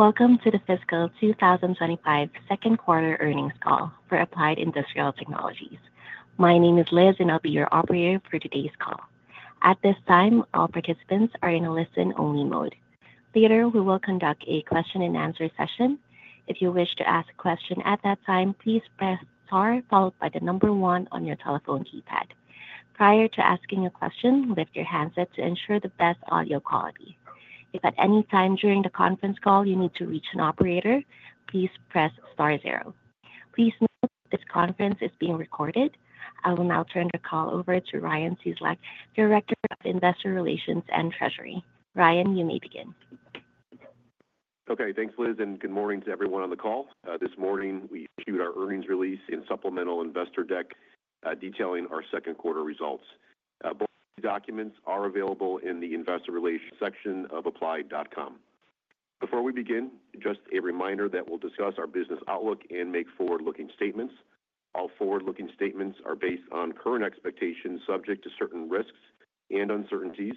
Welcome to the Fiscal 2025 second quarter earnings call for Applied Industrial Technologies. My name is Liz, and I'll be your operator for today's call. At this time, all participants are in a listen-only mode. Later, we will conduct a question-and-answer session. If you wish to ask a question at that time, please press star followed by the number one on your telephone keypad. Prior to asking a question, lift your handset to ensure the best audio quality. If at any time during the conference call you need to reach an operator, please press star zero. Please note this conference is being recorded. I will now turn the call over to Ryan Cieslak, Director of Investor Relations and Treasury. Ryan, you may begin. Okay. Thanks, Liz, and good morning to everyone on the call. This morning, we issued our earnings release and supplemental investor deck detailing our second quarter results. Both documents are available in the investor relations section of applied.com. Before we begin, just a reminder that we'll discuss our business outlook and make forward-looking statements. All forward-looking statements are based on current expectations subject to certain risks and uncertainties,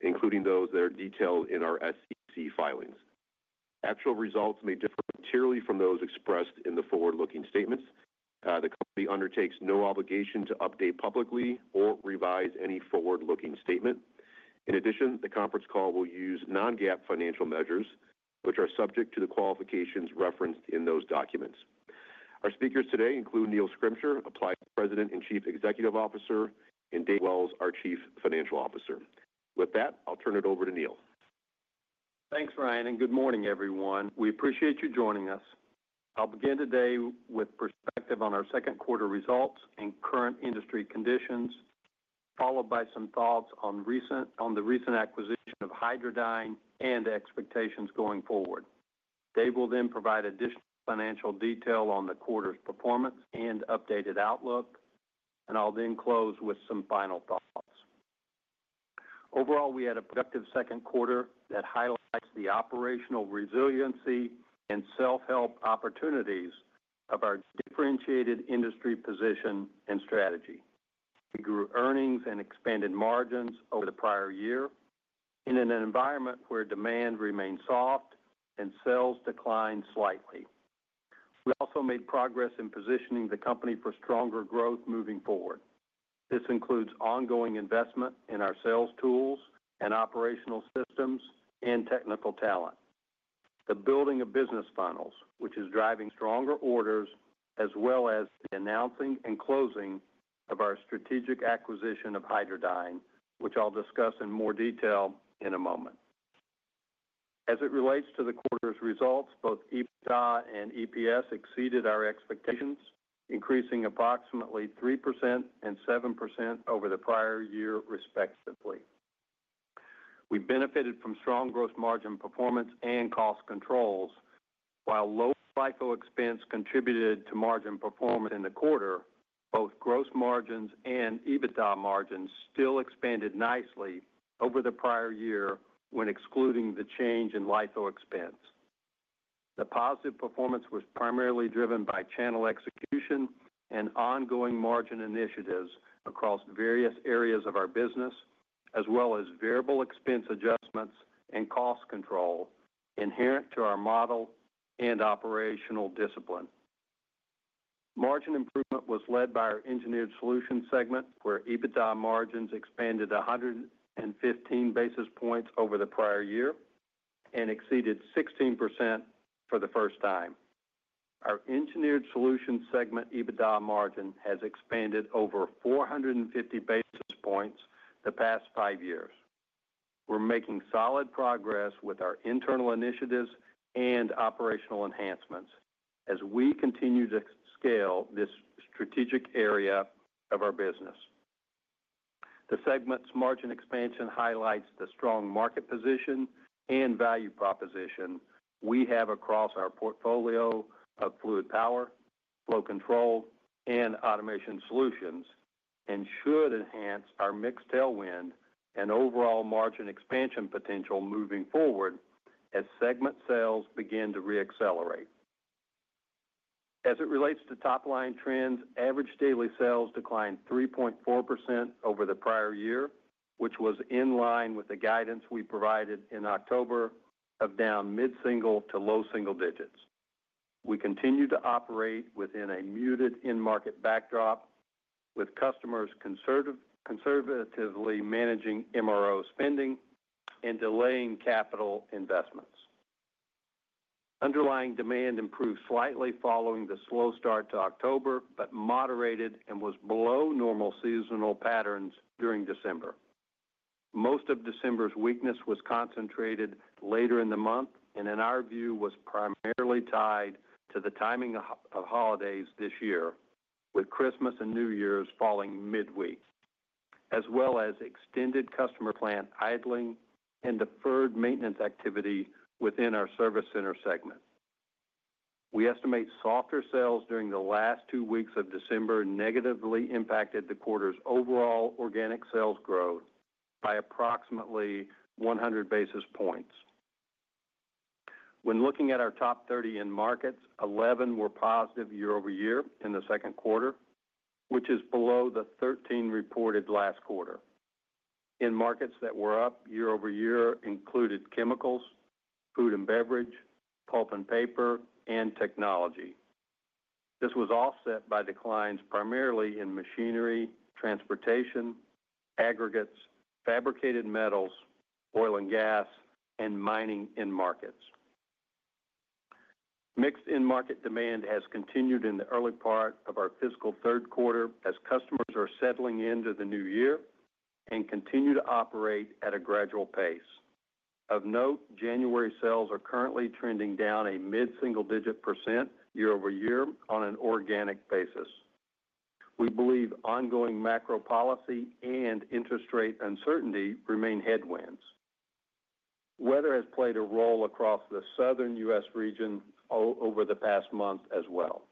including those that are detailed in our SEC filings. Actual results may differ materially from those expressed in the forward-looking statements. The company undertakes no obligation to update publicly or revise any forward-looking statement. In addition, the conference call will use non-GAAP financial measures, which are subject to the qualifications referenced in those documents. Our speakers today include Neil Schrimsher, Applied's President and Chief Executive Officer, and Dave Wells, our Chief Financial Officer. With that, I'll turn it over to Neil. Thanks, Ryan, and good morning, everyone. We appreciate you joining us. I'll begin today with perspective on our second quarter results and current industry conditions, followed by some thoughts on the recent acquisition of Hydradyne and expectations going forward. Dave will then provide additional financial detail on the quarter's performance and updated outlook, and I'll then close with some final thoughts. Overall, we had a productive second quarter that highlights the operational resiliency and self-help opportunities of our differentiated industry position and strategy. We grew earnings and expanded margins over the prior year in an environment where demand remained soft and sales declined slightly. We also made progress in positioning the company for stronger growth moving forward. This includes ongoing investment in our sales tools and operational systems and technical talent, the building of business funnels, which is driving stronger orders, as well as the announcing and closing of our strategic acquisition of Hydradyne, which I'll discuss in more detail in a moment. As it relates to the quarter's results, both EBITIDA and EPS exceeded our expectations, increasing approximately 3% and 7% over the prior year, respectively. We benefited from strong gross margin performance and cost controls, while low LIFO expense contributed to margin performance in the quarter. Both gross margins and EBITDA margins still expanded nicely over the prior year when excluding the change in LIFO expense. The positive performance was primarily driven by channel execution and ongoing margin initiatives across various areas of our business, as well as variable expense adjustments and cost control inherent to our model and operational discipline. Margin improvement was led by our Engineered Solutions segment, where EBITDA margins expanded 115 basis points over the prior year and exceeded 16% for the first time. Our Engineered Solutions segment EBITDA margin has expanded over 450 basis points the past five years. We're making solid progress with our internal initiatives and operational enhancements as we continue to scale this strategic area of our business. The segment's margin expansion highlights the strong market position and value proposition we have across our portfolio of fluid power, flow control, and automation solutions, and should enhance our mix tailwind and overall margin expansion potential moving forward as segment sales begin to re-accelerate. As it relates to top-line trends, average daily sales declined 3.4% over the prior year, which was in line with the guidance we provided in October of down mid-single to low single digits. We continue to operate within a muted end-market backdrop, with customers conservatively managing MRO spending and delaying capital investments. Underlying demand improved slightly following the slow start to October, but moderated and was below normal seasonal patterns during December. Most of December's weakness was concentrated later in the month and, in our view, was primarily tied to the timing of holidays this year, with Christmas and New Year's falling midweek, as well as extended customer plant idling and deferred maintenance activity within our Service Center segment. We estimate softer sales during the last two weeks of December negatively impacted the quarter's overall organic sales growth by approximately 100 basis points. When looking at our top 30 end markets, 11 were positive year-over-year in the second quarter, which is below the 13 reported last quarter. End markets that were up year-over-year included chemicals, food and beverage, pulp and paper, and technology. This was offset by declines primarily in machinery, transportation, aggregates, fabricated metals, oil and gas, and mining end markets. Mixed in-market demand has continued in the early part of our fiscal third quarter as customers are settling into the new year and continue to operate at a gradual pace. Of note, January sales are currently trending down a mid-single digit % year-over-year on an organic basis. We believe ongoing macro policy and interest rate uncertainty remain headwinds. Weather has played a role across the southern U.S. region over the past month as well.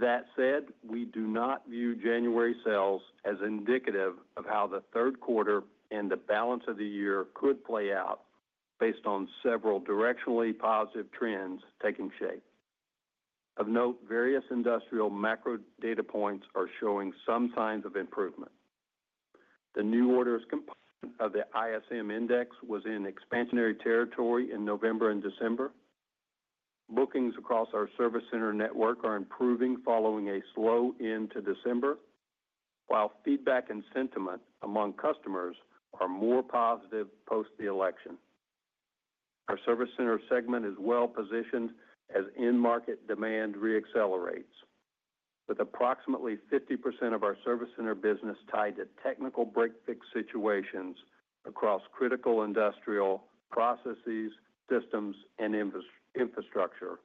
That said, we do not view January sales as indicative of how the third quarter and the balance of the year could play out based on several directionally positive trends taking shape. Of note, various industrial macro data points are showing some signs of improvement. The new orders component of the ISM index was in expansionary territory in November and December. Bookings across our service center network are improving following a slow end to December, while feedback and sentiment among customers are more positive post the election. Our Service Center segment is well positioned as in-market demand re-accelerates, with approximately 50% of our service center business tied to technical break-fix situations across critical industrial processes, systems, and infrastructure.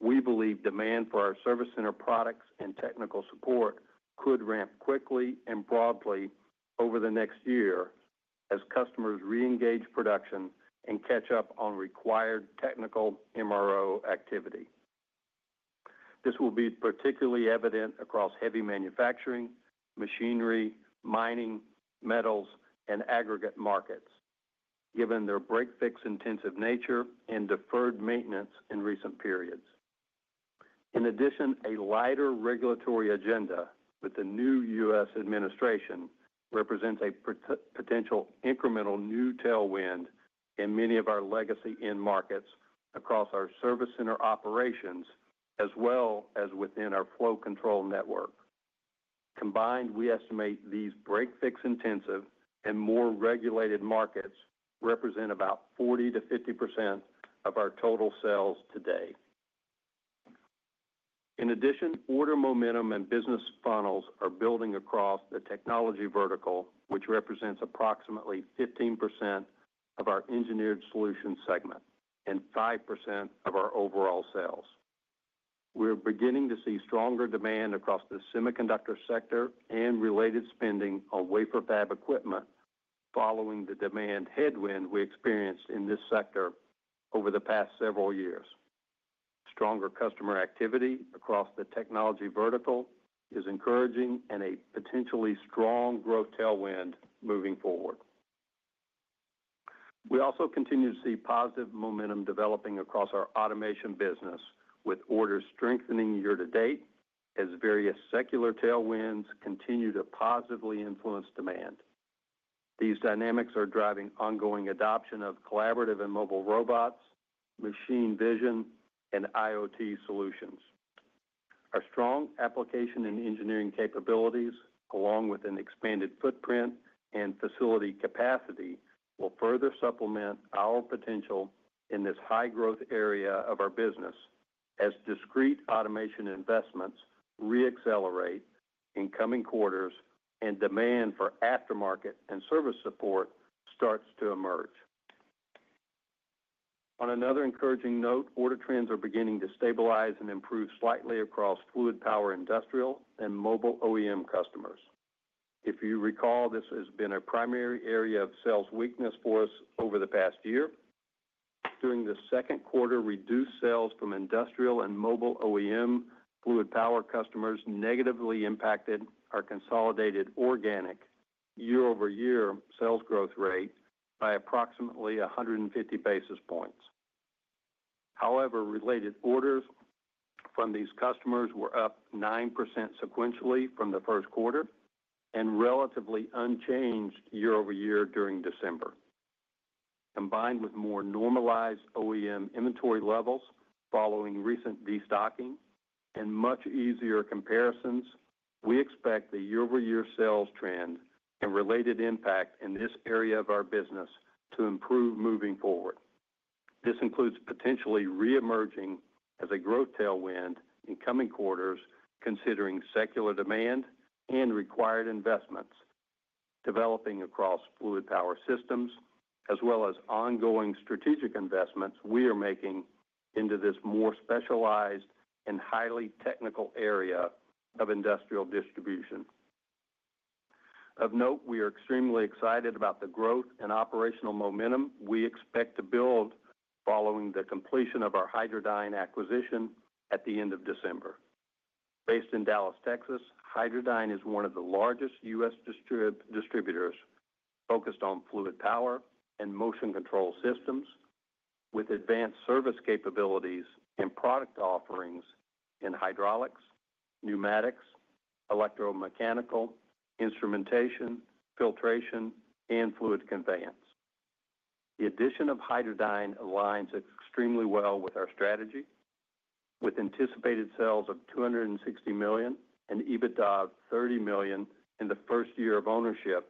We believe demand for our service center products and technical support could ramp quickly and broadly over the next year as customers re-engage production and catch up on required technical MRO activity. This will be particularly evident across heavy manufacturing, machinery, mining, metals, and aggregate markets, given their break-fix intensive nature and deferred maintenance in recent periods. In addition, a lighter regulatory agenda with the new U.S. Administration represents a potential incremental new tailwind in many of our legacy end-markets across our Service Center operations, as well as within our flow control network. Combined, we estimate these break fix intensive and more regulated markets represent about 40%-50% of our total sales today. In addition, order momentum and business funnels are building across the technology vertical, which represents approximately 15% of our Engineered Solutions segment and 5% of our overall sales. We're beginning to see stronger demand across the semiconductor sector and related spending on wafer fab equipment following the demand headwind we experienced in this sector over the past several years. Stronger customer activity across the technology vertical is encouraging and a potentially strong growth tailwind moving forward. We also continue to see positive momentum developing across our automation business, with orders strengthening year to date as various secular tailwinds continue to positively influence demand. These dynamics are driving ongoing adoption of collaborative and mobile robots, machine vision, and IoT solutions. Our strong application and engineering capabilities, along with an expanded footprint and facility capacity, will further supplement our potential in this high-growth area of our business as discrete automation investments re-accelerate in coming quarters and demand for aftermarket and service support starts to emerge. On another encouraging note, order trends are beginning to stabilize and improve slightly across fluid power industrial and mobile OEM customers. If you recall, this has been a primary area of sales weakness for us over the past year. During the second quarter, reduced sales from industrial and mobile OEM fluid power customers negatively impacted our consolidated organic year-over-year sales growth rate by approximately 150 basis points. However, related orders from these customers were up 9% sequentially from the first quarter and relatively unchanged year-over-year during December. Combined with more normalized OEM inventory levels following recent destocking and much easier comparisons, we expect the year-over-year sales trend and related impact in this area of our business to improve moving forward. This includes potentially re-emerging as a growth tailwind in coming quarters, considering secular demand and required investments developing across fluid power systems, as well as ongoing strategic investments we are making into this more specialized and highly technical area of industrial distribution. Of note, we are extremely excited about the growth and operational momentum we expect to build following the completion of our Hydradyne acquisition at the end of December. Based in Dallas, Texas, Hydradyne is one of the largest U.S. distributors focused on fluid power and motion control systems, with advanced service capabilities and product offerings in hydraulics, pneumatics, electromechanical, instrumentation, filtration, and fluid conveyance. The addition of Hydradyne aligns extremely well with our strategy. With anticipated sales of $260 million and EBITDA of $30 million in the first year of ownership,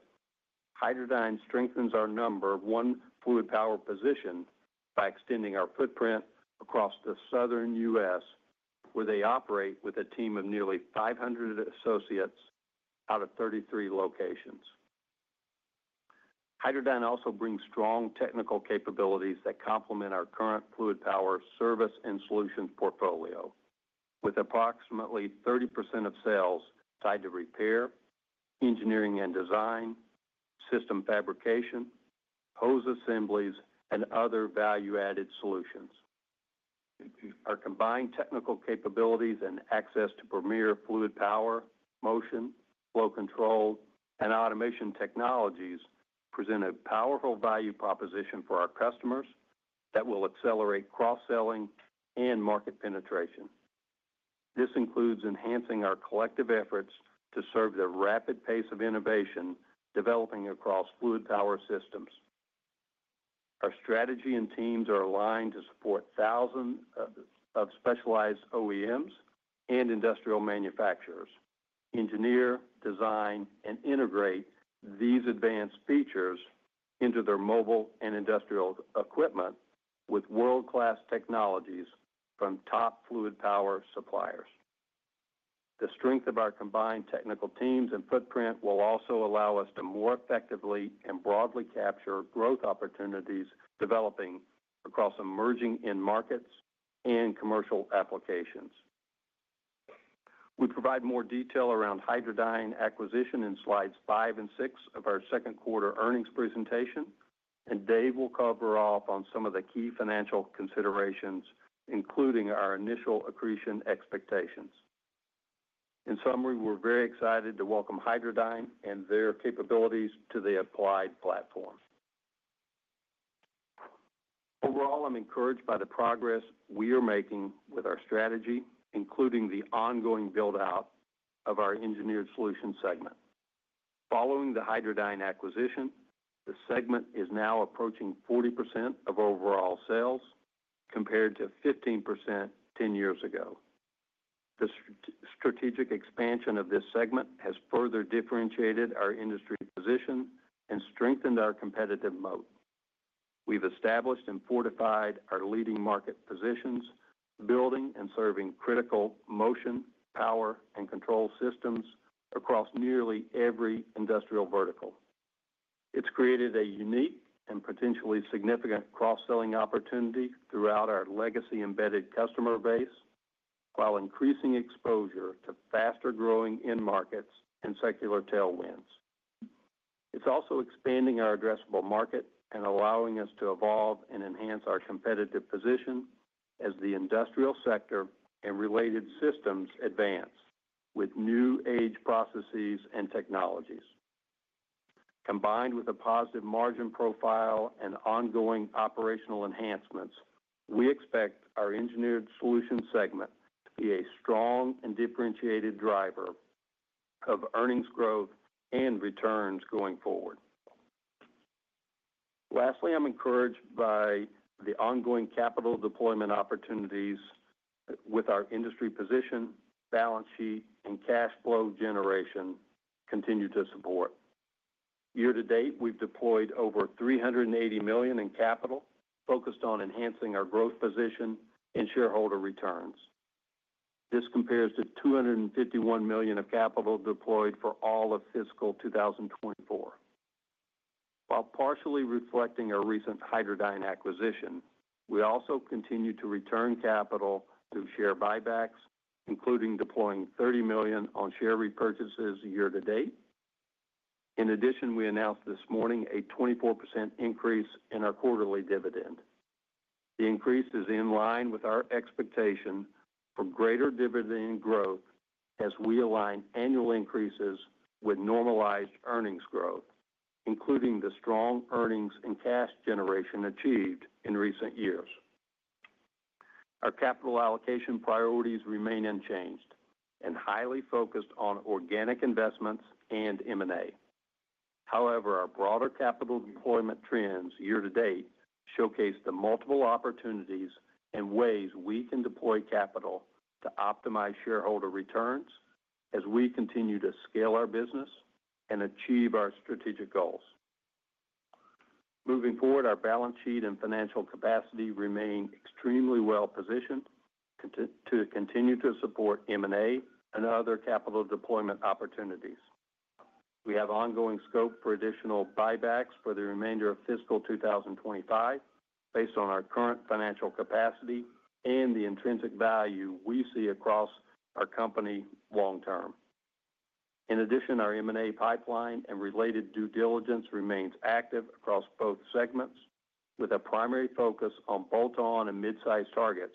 Hydradyne strengthens our number one fluid power position by extending our footprint across the southern U.S., where they operate with a team of nearly 500 associates out of 33 locations. Hydradyne also brings strong technical capabilities that complement our current fluid power service and solutions portfolio, with approximately 30% of sales tied to repair, engineering and design, system fabrication, hose assemblies, and other value-added solutions. Our combined technical capabilities and access to premier fluid power, motion, flow control, and automation technologies present a powerful value proposition for our customers that will accelerate cross-selling and market penetration. This includes enhancing our collective efforts to serve the rapid pace of innovation developing across fluid power systems. Our strategy and teams are aligned to support thousands of specialized OEMs and industrial manufacturers, engineer, design, and integrate these advanced features into their mobile and industrial equipment with world-class technologies from top fluid power suppliers. The strength of our combined technical teams and footprint will also allow us to more effectively and broadly capture growth opportunities developing across emerging end-markets and commercial applications. We provide more detail around Hydradyne acquisition in slides five and six of our second quarter earnings presentation, and Dave will cover off on some of the key financial considerations, including our initial accretion expectations. In summary, we're very excited to welcome Hydradyne and their capabilities to the Applied platform. Overall, I'm encouraged by the progress we are making with our strategy, including the ongoing build-out of our Engineered Solutions segment. Following the Hydradyne acquisition, the segment is now approaching 40% of overall sales compared to 15% 10 years ago. The strategic expansion of this segment has further differentiated our industry position and strengthened our competitive moat. We've established and fortified our leading market positions, building and serving critical motion, power, and control systems across nearly every industrial vertical. It's created a unique and potentially significant cross-selling opportunity throughout our legacy embedded customer base, while increasing exposure to faster-growing in-markets and secular tailwinds. It's also expanding our addressable market and allowing us to evolve and enhance our competitive position as the industrial sector and related systems advance with new age processes and technologies. Combined with a positive margin profile and ongoing operational enhancements, we expect our Engineered Solutions segment to be a strong and differentiated driver of earnings growth and returns going forward. Lastly, I'm encouraged by the ongoing capital deployment opportunities with our industry position, balance sheet, and cash flow generation continue to support. Year to date, we've deployed over $380 million in capital focused on enhancing our growth position and shareholder returns. This compares to $251 million of capital deployed for all of fiscal 2024. While partially reflecting our recent Hydradyne acquisition, we also continue to return capital through share buybacks, including deploying $30 million on share repurchases year to date. In addition, we announced this morning a 24% increase in our quarterly dividend. The increase is in line with our expectation for greater dividend growth as we align annual increases with normalized earnings growth, including the strong earnings and cash generation achieved in recent years. Our capital allocation priorities remain unchanged and highly focused on organic investments and M&A. However, our broader capital deployment trends year to date showcase the multiple opportunities and ways we can deploy capital to optimize shareholder returns as we continue to scale our business and achieve our strategic goals. Moving forward, our balance sheet and financial capacity remain extremely well positioned to continue to support M&A and other capital deployment opportunities. We have ongoing scope for additional buybacks for the remainder of fiscal 2025 based on our current financial capacity and the intrinsic value we see across our company long term. In addition, our M&A pipeline and related due diligence remains active across both segments, with a primary focus on bolt-on and mid-size targets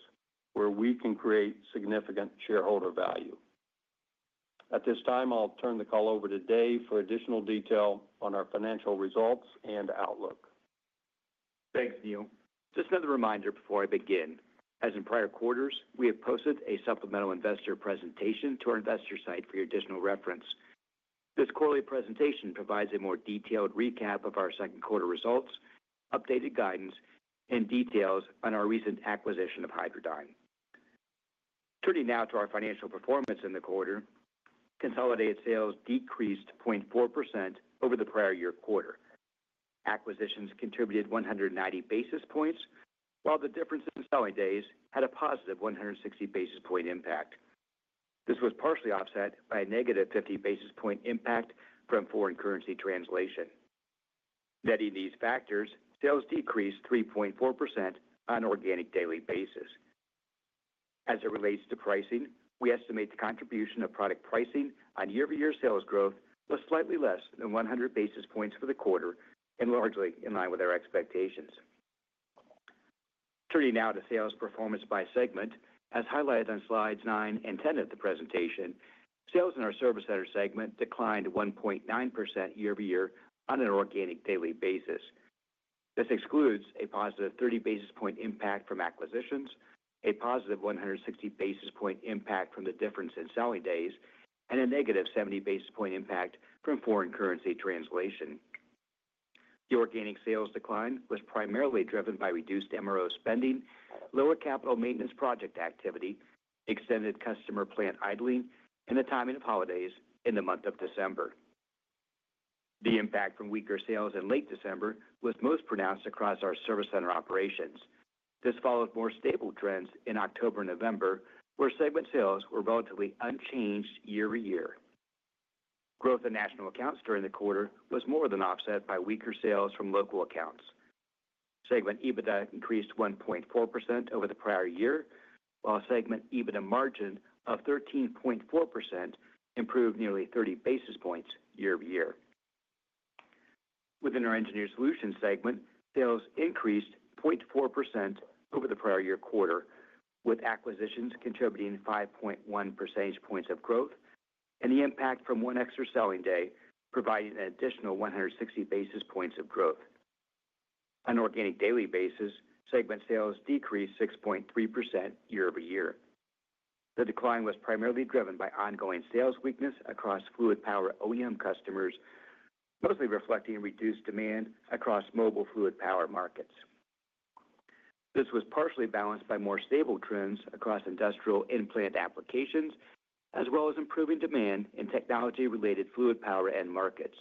where we can create significant shareholder value. At this time, I'll turn the call over to Dave for additional detail on our financial results and outlook. Thanks, Neil. Just another reminder before I begin. As in prior quarters, we have posted a supplemental investor presentation to our investor site for your additional reference. This quarterly presentation provides a more detailed recap of our second quarter results, updated guidance, and details on our recent acquisition of Hydradyne. Turning now to our financial performance in the quarter, consolidated sales decreased 0.4% over the prior year quarter. Acquisitions contributed 190 basis points, while the difference in selling days had a positive 160 basis points impact. This was partially offset by a negative 50 basis points impact from foreign currency translation. Adding these factors, sales decreased 3.4% on an organic daily basis. As it relates to pricing, we estimate the contribution of product pricing on year-over-year sales growth was slightly less than 100 basis points for the quarter and largely in line with our expectations. Turning now to sales performance by segment, as highlighted on slides nine and ten of the presentation, sales in our Service Center segment declined 1.9% year-over-year on an organic daily basis. This excludes a positive 30 basis point impact from acquisitions, a positive 160 basis point impact from the difference in selling days, and a negative 70 basis point impact from foreign currency translation. The organic sales decline was primarily driven by reduced MRO spending, lower capital maintenance project activity, extended customer plant idling, and the timing of holidays in the month of December. The impact from weaker sales in late December was most pronounced across our Service Center operations. This followed more stable trends in October and November, where segment sales were relatively unchanged year-over-year. Growth in national accounts during the quarter was more than offset by weaker sales from local accounts. Segment EBITDA increased 1.4% over the prior year, while segment EBITDA margin of 13.4% improved nearly 30 basis points year-over-year. Within our Engineered Solutions segment, sales increased 0.4% over the prior year quarter, with acquisitions contributing 5.1 percentage points of growth and the impact from one extra selling day providing an additional 160 basis points of growth. On an organic daily basis, segment sales decreased 6.3% year-over-year. The decline was primarily driven by ongoing sales weakness across fluid power OEM customers, mostly reflecting reduced demand across mobile fluid power markets. This was partially balanced by more stable trends across industrial and plant applications, as well as improving demand in technology-related fluid power end markets.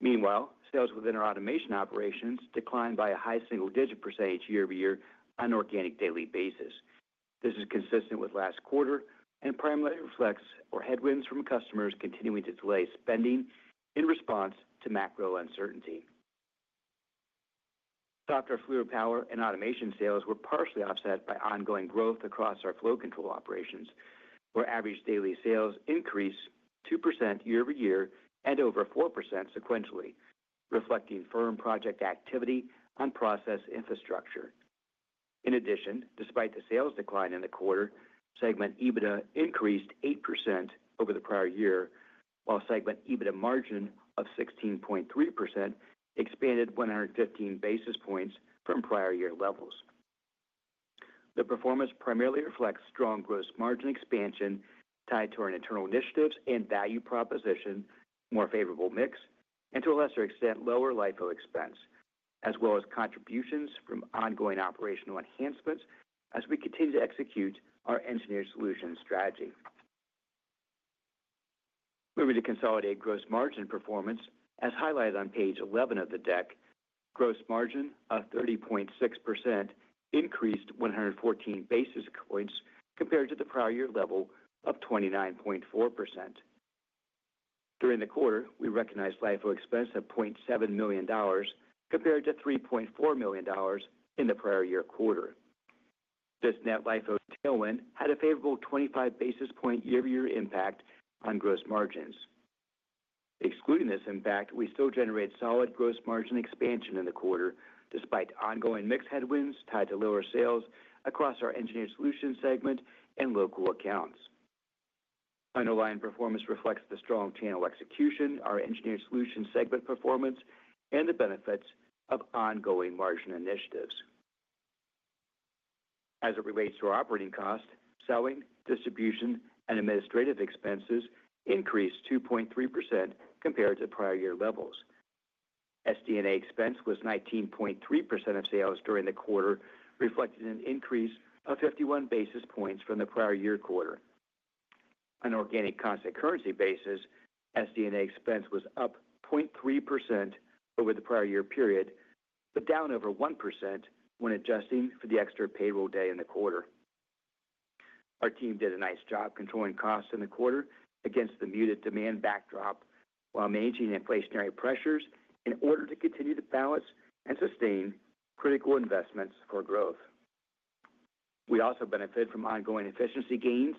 Meanwhile, sales within our automation operations declined by a high single-digit percentage year-over-year on an organic daily basis. This is consistent with last quarter and primarily reflects our headwinds from customers continuing to delay spending in response to macro uncertainty. The drop in our fluid power and automation sales were partially offset by ongoing growth across our flow control operations, where average daily sales increased 2% year-over-year and over 4% sequentially, reflecting firm project activity on process infrastructure. In addition, despite the sales decline in the quarter, segment EBITDA increased 8% over the prior year, while segment EBITDA margin of 16.3% expanded 115 basis points from prior year levels. The performance primarily reflects strong gross margin expansion tied to our internal initiatives and value proposition, more favorable mix, and to a lesser extent, lower LIFO expense, as well as contributions from ongoing operational enhancements as we continue to execute our engineered solution strategy. Moving to consolidated gross margin performance, as highlighted on page 11 of the deck, gross margin of 30.6% increased 114 basis points compared to the prior year level of 29.4%. During the quarter, we recognized LIFO expense of $0.7 million compared to $3.4 million in the prior year quarter. This net LIFO tailwind had a favorable 25 basis points year-over-year impact on gross margins. Excluding this impact, we still generate solid gross margin expansion in the quarter despite ongoing mixed headwinds tied to lower sales across our Engineered Solutions segment and local accounts. Underlying performance reflects the strong channel execution, our Engineered Solutions segment performance, and the benefits of ongoing margin initiatives. As it relates to our operating costs, selling, distribution, and administrative expenses increased 2.3% compared to prior year levels. SD&A expense was 19.3% of sales during the quarter, reflecting an increase of 51 basis points from the prior year quarter. On an organic cost and currency basis, SD&A expense was up 0.3% over the prior year period, but down over 1% when adjusting for the extra payroll day in the quarter. Our team did a nice job controlling costs in the quarter against the muted demand backdrop while managing inflationary pressures in order to continue to balance and sustain critical investments for growth. We also benefited from ongoing efficiency gains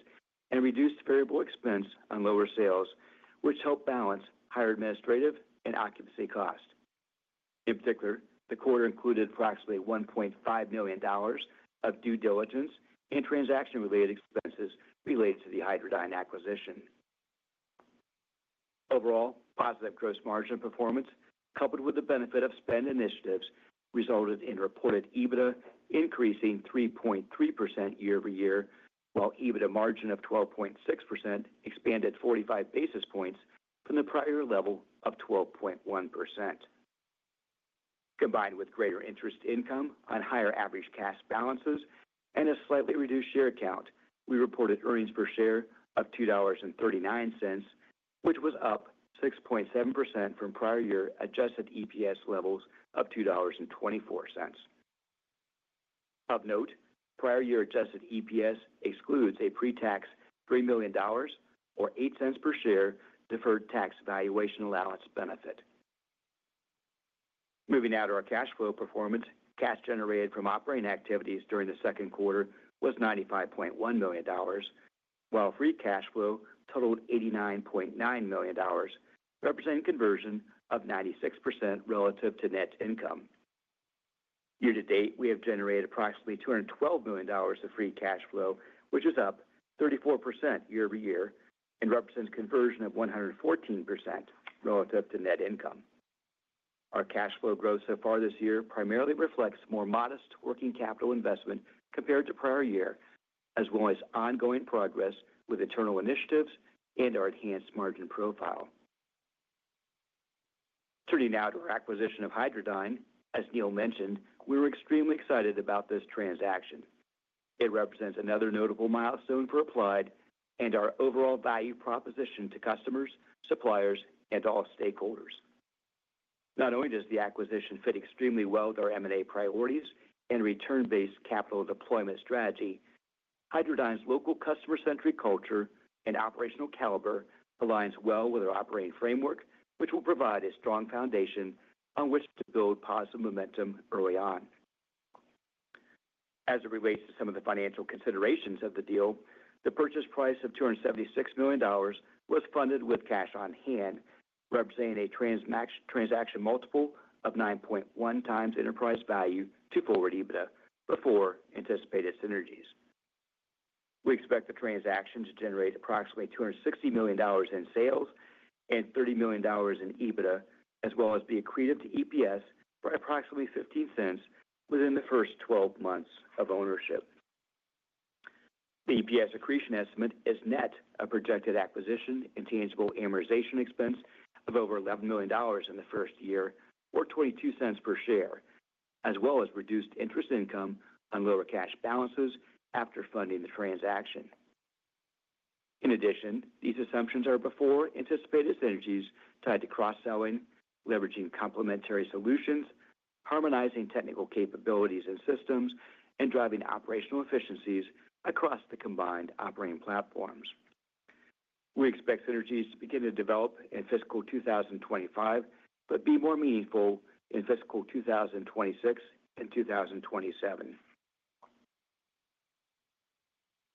and reduced variable expense on lower sales, which helped balance higher administrative and occupancy costs. In particular, the quarter included approximately $1.5 million of due diligence and transaction-related expenses related to the Hydradyne acquisition. Overall, positive gross margin performance coupled with the benefit of spend initiatives resulted in reported EBITDA increasing 3.3% year-over-year, while EBITDA margin of 12.6% expanded 45 basis points from the prior level of 12.1%. Combined with greater interest income on higher average cash balances and a slightly reduced share count, we reported earnings per share of $2.39, which was up 6.7% from prior year adjusted EPS levels of $2.24. Of note, prior year adjusted EPS excludes a pre-tax $3 million or $0.08 per share deferred tax valuation allowance benefit. Moving now to our cash flow performance, cash generated from operating activities during the second quarter was $95.1 million, while free cash flow totaled $89.9 million, representing conversion of 96% relative to net income. Year to date, we have generated approximately $212 million of free cash flow, which is up 34% year-over-year and represents conversion of 114% relative to net income. Our cash flow growth so far this year primarily reflects more modest working capital investment compared to prior year, as well as ongoing progress with internal initiatives and our enhanced margin profile. Turning now to our acquisition of Hydradyne. As Neil mentioned, we were extremely excited about this transaction. It represents another notable milestone for Applied and our overall value proposition to customers, suppliers, and all stakeholders. Not only does the acquisition fit extremely well with our M&A priorities and return-based capital deployment strategy, Hydradyne's local customer-centric culture and operational caliber aligns well with our operating framework, which will provide a strong foundation on which to build positive momentum early on. As it relates to some of the financial considerations of the deal, the purchase price of $276 million was funded with cash on hand, representing a transaction multiple of 9.1 times enterprise value to forward EBITDA before anticipated synergies. We expect the transaction to generate approximately $260 million in sales and $30 million in EBITDA, as well as be accretive to EPS by approximately 15 cents within the first 12 months of ownership. The EPS accretion estimate is net of projected acquisition and tangible amortization expense of over $11 million in the first year, or 22 cents per share, as well as reduced interest income on lower cash balances after funding the transaction. In addition, these assumptions are before anticipated synergies tied to cross-selling, leveraging complementary solutions, harmonizing technical capabilities and systems, and driving operational efficiencies across the combined operating platforms. We expect synergies to begin to develop in fiscal 2025 but be more meaningful in fiscal 2026 and 2027.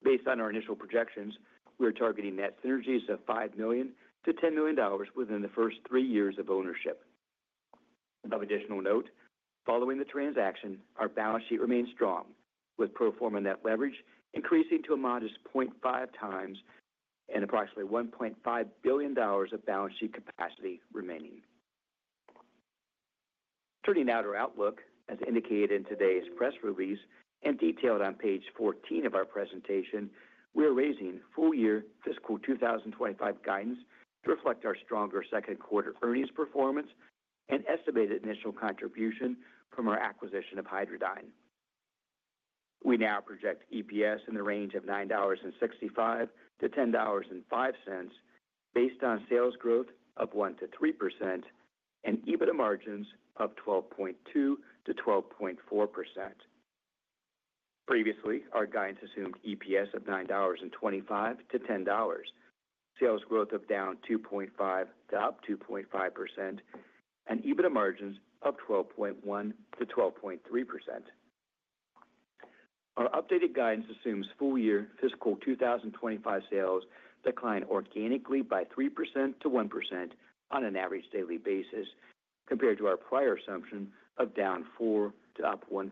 Based on our initial projections, we are targeting net synergies of $5 million-$10 million within the first three years of ownership. Of additional note, following the transaction, our balance sheet remains strong, with pro forma net leverage increasing to a modest 0.5 times and approximately $1.5 billion of balance sheet capacity remaining. Turning now to our outlook, as indicated in today's press release and detailed on page 14 of our presentation, we are raising full-year fiscal 2025 guidance to reflect our stronger second quarter earnings performance and estimated initial contribution from our acquisition of Hydradyne. We now project EPS in the range of $9.65-$10.05 based on sales growth of 1%-3% and EBITDA margins of 12.2%-12.4%. Previously, our guidance assumed EPS of $9.25-$10, sales growth of down 2.5% to up 2.5%, and EBITDA margins of 12.1%-12.3%. Our updated guidance assumes full-year fiscal 2025 sales decline organically by 3% to 1% on an average daily basis compared to our prior assumption of down 4% to up 1%.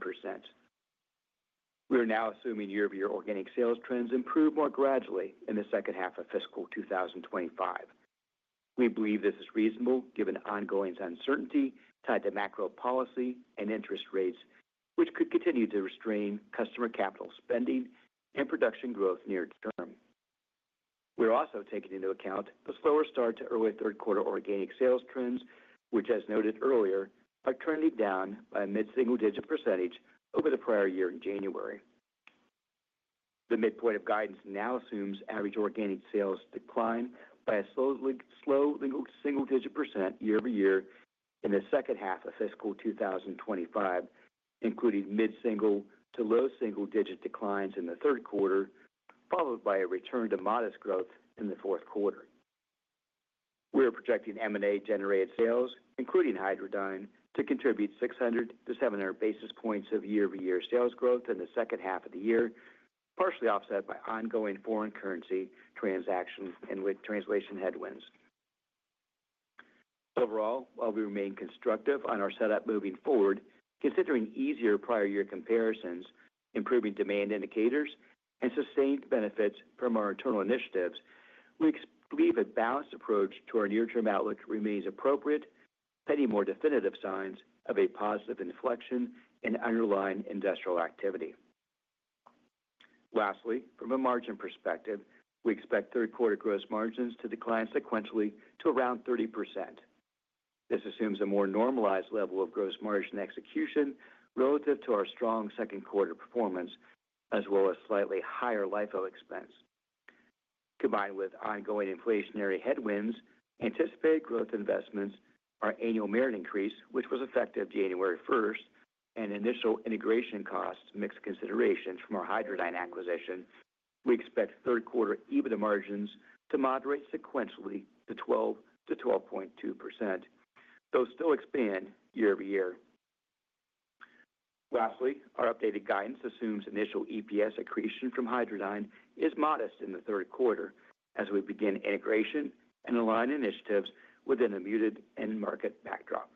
We are now assuming year-over-year organic sales trends improve more gradually in the second half of fiscal 2025. We believe this is reasonable given ongoing uncertainty tied to macro policy and interest rates, which could continue to restrain customer capital spending and production growth near term. We are also taking into account the slower start to early third quarter organic sales trends, which, as noted earlier, are currently down by a mid-single-digit percentage over the prior year in January. The midpoint of guidance now assumes average organic sales decline by a slow single-digit % year-over-year in the second half of fiscal 2025, including mid-single- to low single-digit declines in the third quarter, followed by a return to modest growth in the fourth quarter. We are projecting M&A-generated sales, including Hydradyne, to contribute 600-700 basis points of year-over-year sales growth in the second half of the year, partially offset by ongoing foreign currency transactions and with translation headwinds. Overall, while we remain constructive on our setup moving forward, considering easier prior year comparisons, improving demand indicators, and sustained benefits from our internal initiatives, we believe a balanced approach to our near-term outlook remains appropriate, pending more definitive signs of a positive inflection in underlying industrial activity. Lastly, from a margin perspective, we expect third-quarter gross margins to decline sequentially to around 30%. This assumes a more normalized level of gross margin execution relative to our strong second quarter performance, as well as slightly higher LIFO expense. Combined with ongoing inflationary headwinds, anticipated growth investments, our annual merit increase, which was effective January 1st, and initial integration costs mixed considerations from our Hydradyne acquisition, we expect third-quarter EBITDA margins to moderate sequentially to 12%-12.2%, though still expand year-over-year. Lastly, our updated guidance assumes initial EPS accretion from Hydradyne is modest in the third quarter as we begin integration and align initiatives within a muted end market backdrop.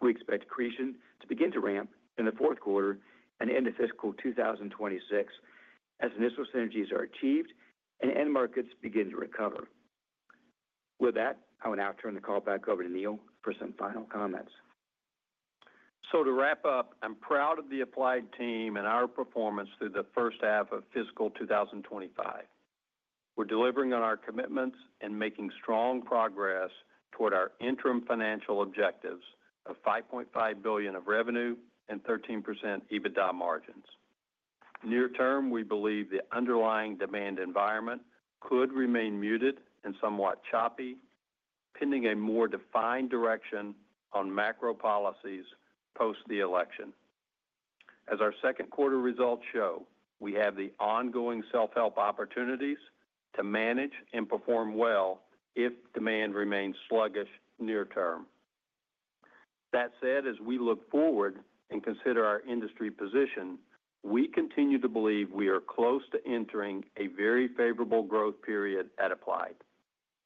We expect accretion to begin to ramp in the fourth quarter and end of fiscal 2026 as initial synergies are achieved and end markets begin to recover. With that, I will now turn the call back over to Neil for some final comments. So, to wrap up, I'm proud of the Applied team and our performance through the first half of fiscal 2025. We're delivering on our commitments and making strong progress toward our interim financial objectives of $5.5 billion of revenue and 13% EBITDA margins. Near term, we believe the underlying demand environment could remain muted and somewhat choppy, pending a more defined direction on macro policies post the election. As our second quarter results show, we have the ongoing self-help opportunities to manage and perform well if demand remains sluggish near term. That said, as we look forward and consider our industry position, we continue to believe we are close to entering a very favorable growth period at Applied.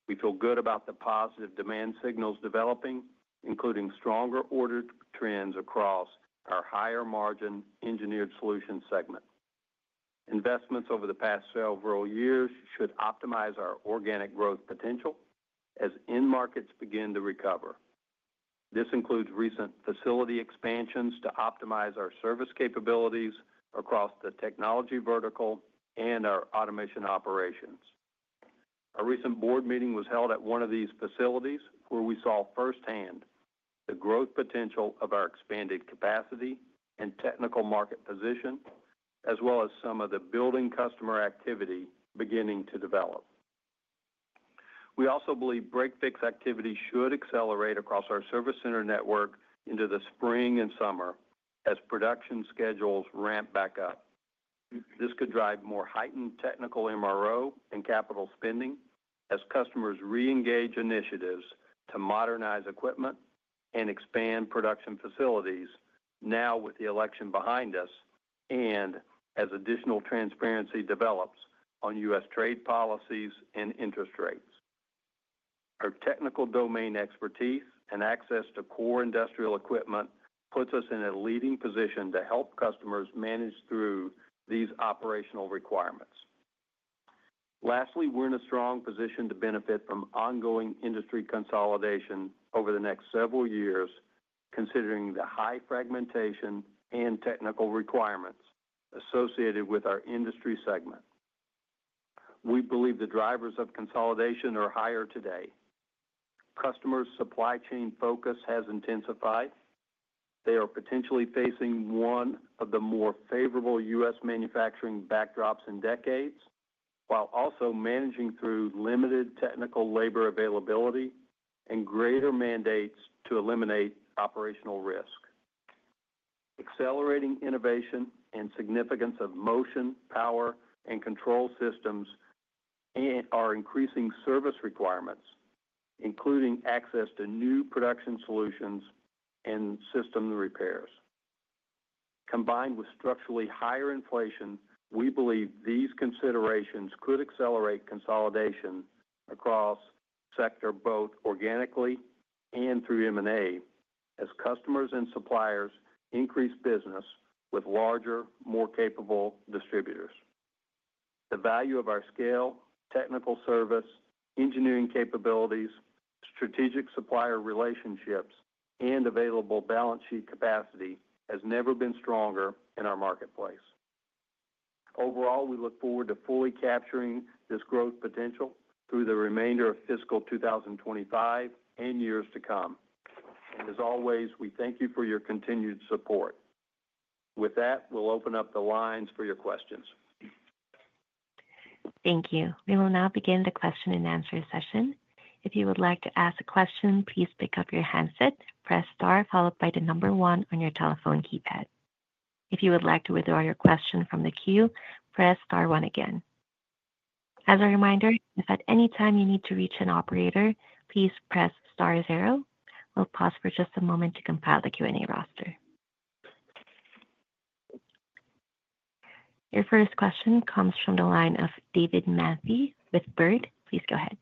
We feel good about the positive demand signals developing, including stronger order trends across our higher-margin Engineered Solutions segment. Investments over the past several years should optimize our organic growth potential as end markets begin to recover. This includes recent facility expansions to optimize our service capabilities across the technology vertical and our automation operations. Our recent board meeting was held at one of these facilities where we saw firsthand the growth potential of our expanded capacity and technical market position, as well as some of the building customer activity beginning to develop. We also believe break-fix activity should accelerate across our service center network into the spring and summer as production schedules ramp back up. This could drive more heightened technical MRO and capital spending as customers re-engage initiatives to modernize equipment and expand production facilities now with the election behind us and as additional transparency develops on U.S. trade policies and interest rates. Our technical domain expertise and access to core industrial equipment puts us in a leading position to help customers manage through these operational requirements. Lastly, we're in a strong position to benefit from ongoing industry consolidation over the next several years, considering the high fragmentation and technical requirements associated with our industry segment. We believe the drivers of consolidation are higher today. Customers' supply chain focus has intensified. They are potentially facing one of the more favorable U.S. manufacturing backdrops in decades, while also managing through limited technical labor availability and greater mandates to eliminate operational risk. Accelerating innovation and significance of motion, power, and control systems are increasing service requirements, including access to new production solutions and system repairs. Combined with structurally higher inflation, we believe these considerations could accelerate consolidation across sector both organically and through M&A as customers and suppliers increase business with larger, more capable distributors. The value of our scale, technical service, engineering capabilities, strategic supplier relationships, and available balance sheet capacity has never been stronger in our marketplace. Overall, we look forward to fully capturing this growth potential through the remainder of fiscal 2025 and years to come. And as always, we thank you for your continued support. With that, we'll open up the lines for your questions. Thank you. We will now begin the question and answer session. If you would like to ask a question, please pick up your handset, press star followed by the number one on your telephone keypad. If you would like to withdraw your question from the queue, press star one again. As a reminder, if at any time you need to reach an operator, please press star zero. We'll pause for just a moment to compile the Q&A roster. Your first question comes from the line of David Manthey with Baird. Please go ahead.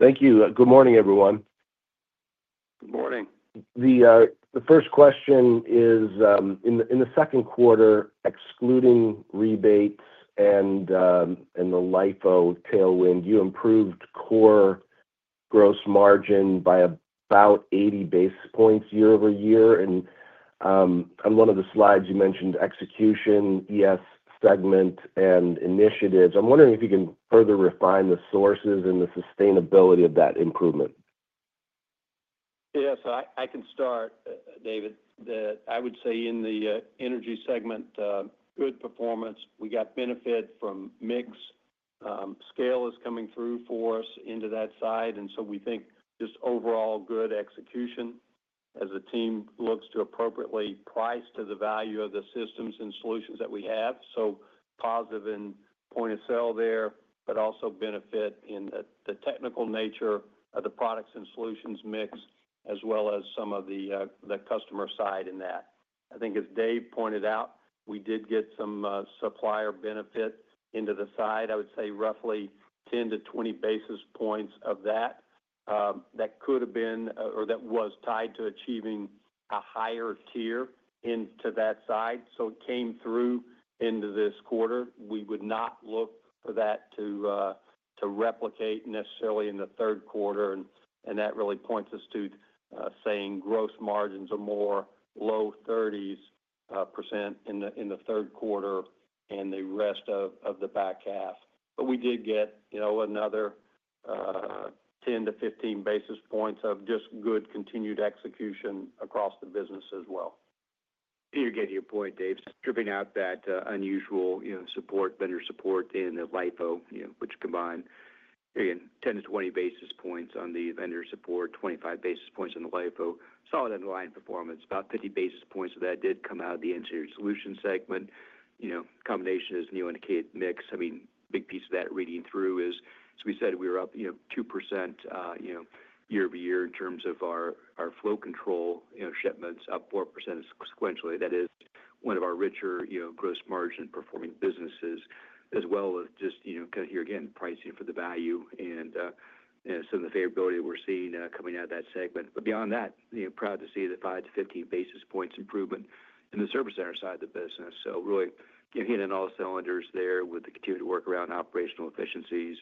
Thank you. Good morning, everyone. Good morning. The first question is, in the second quarter, excluding rebates and the LIFO tailwind, you improved core gross margin by about 80 basis points year-over-year. And on one of the slides, you mentioned execution, ES segment, and initiatives. I'm wondering if you can further refine the sources and the sustainability of that improvement. Yeah. So I can start, David. I would say in the ES segment, good performance. We got benefit from mix. Scale is coming through for us into that side. And so we think just overall good execution as the team looks to appropriately price to the value of the systems and solutions that we have. So positive in point of sale there, but also benefit in the technical nature of the products and solutions mix, as well as some of the customer side in that. I think as Dave pointed out, we did get some supplier benefit into the side. I would say roughly 10-20 basis points of that. That could have been or that was tied to achieving a higher tier into that side. So it came through into this quarter. We would not look for that to replicate necessarily in the third quarter. And that really points us to saying gross margins are more low 30% in the third quarter and the rest of the back half. But we did get another 10-15 basis points of just good continued execution across the business as well. To give you a point, Dave, stripping out that unusual support, vendor support in the LIFO, which combined again 10-20 basis points on the vendor support, 25 basis points on the LIFO, solid underlying performance, about 50 basis points of that did come out of the Engineered Solutions segment. Combination is new indicated mix. I mean, big piece of that reading through is, as we said, we were up 2% year-over-year in terms of our flow control shipments, up 4% sequentially. That is one of our richer gross margin performing businesses, as well as just kind of here again, pricing for the value and some of the favorability we're seeing coming out of that segment. But beyond that, proud to see the 5-15 basis points improvement in the Service Center side of the business. So really hitting all cylinders there with the continued workaround operational efficiencies,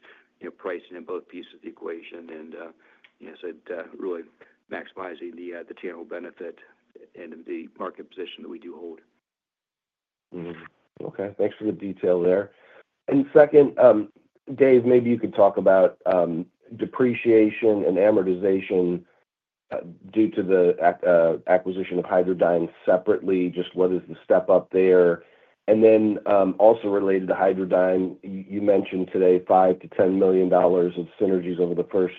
pricing in both pieces of the equation, and so really maximizing the tangible benefit and the market position that we do hold. Okay. Thanks for the detail there. And second, Dave, maybe you could talk about depreciation and amortization due to the acquisition of Hydradyne separately. Just what is the step up there? And then also related to Hydradyne, you mentioned today $5 million to $10 million of synergies over the first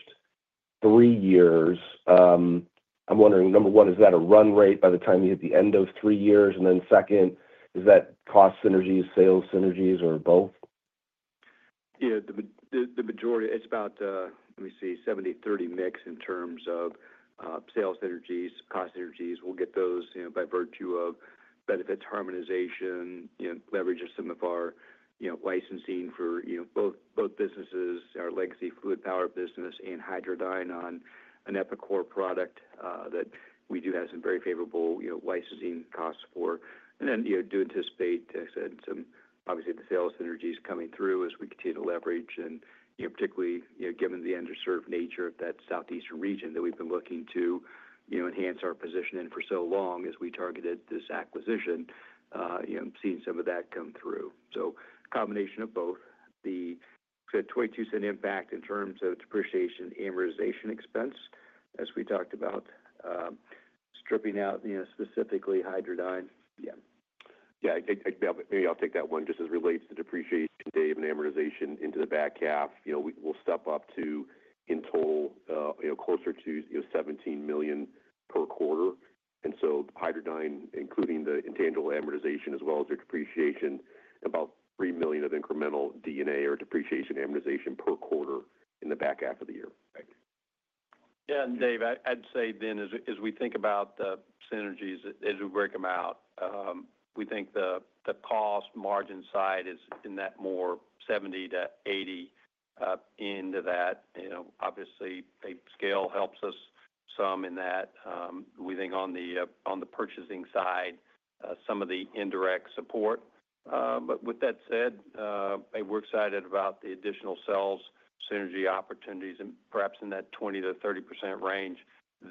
three years. I'm wondering, number one, is that a run rate by the time you hit the end of three years? And then second, is that cost synergies, sales synergies, or both? Yeah. The majority, it's about, let me see, 70/30 mix in terms of sales synergies, cost synergies. We'll get those by virtue of benefits harmonization, leverage of some of our licensing for both businesses, our legacy fluid power business and Hydradyne on an Epicor product that we do have some very favorable licensing costs for. And then do anticipate, like I said, some obviously the sales synergies coming through as we continue to leverage, and particularly given the underserved nature of that southeastern region that we've been looking to enhance our position in for so long as we targeted this acquisition, seeing some of that come through. So combination of both. The 22% impact in terms of depreciation amortization expense, as we talked about, stripping out specifically Hydradyne. Yeah. Yeah. Maybe I'll take that one just as it relates to depreciation, Dave, and amortization into the back half. We'll step up to in total closer to $17 million per quarter. Hydradyne, including the intangible amortization as well as their depreciation, about 3 million of incremental depreciation amortization per quarter in the back half of the year. Yeah. Dave, I'd say then as we think about the synergies, as we break them out, we think the cost margin side is in that more 70%-80% into that. Obviously, scale helps us some in that. We think on the purchasing side, some of the indirect support. But with that said, we're excited about the additional sales synergy opportunities and perhaps in that 20%-30% range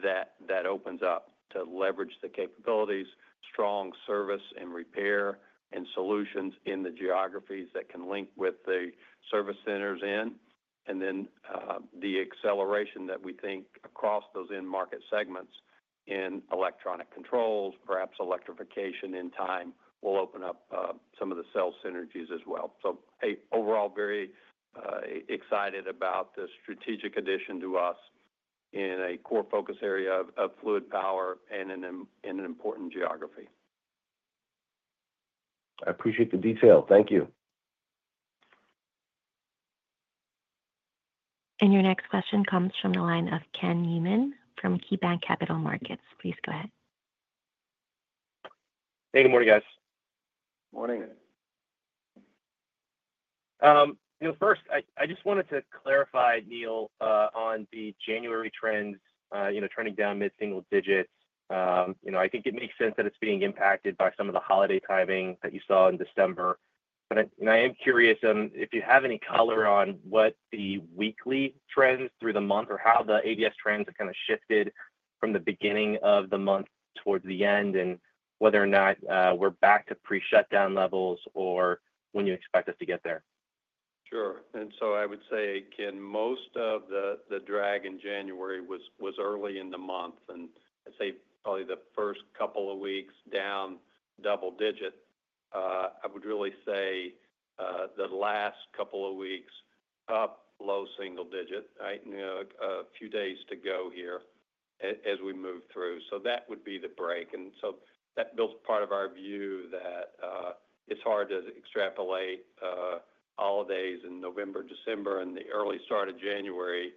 that opens up to leverage the capabilities, strong service and repair and solutions in the geographies that can link with the service centers in. And then the acceleration that we think across those end market segments in electronic controls, perhaps electrification in time will open up some of the sales synergies as well. So overall, very excited about the strategic addition to us in a core focus area of fluid power and in an important geography. I appreciate the detail. Thank you. And your next question comes from the line of Ken Newman from KeyBanc Capital Markets. Please go ahead. Hey. Good morning, guys. Morning. First, I just wanted to clarify, Neil, on the January trends turning down mid-single digits. I think it makes sense that it's being impacted by some of the holiday timing that you saw in December. I am curious if you have any color on what the weekly trends through the month or how the ADS trends have kind of shifted from the beginning of the month towards the end and whether or not we're back to pre-shutdown levels or when you expect us to get there? Sure. And so I would say, again, most of the drag in January was early in the month. And I'd say probably the first couple of weeks down double digit. I would really say the last couple of weeks up low single digit, right? A few days to go here as we move through. So that would be the break. And so that builds part of our view that it's hard to extrapolate holidays in November, December, and the early start of January